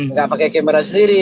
nggak pakai kamera sendiri